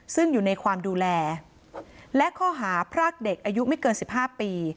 ซึ่งอยู่ในความดูแลและข้อหาพรากเด็กอายุไม่เกิน๑๕ปี